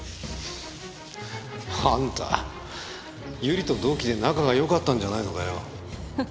あんた百合と同期で仲が良かったんじゃないのかよ？